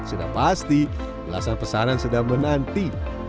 sudah pasti jelasan pesanan sudah menanti